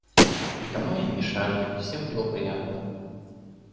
Никому они не мешали, и всем было приятно.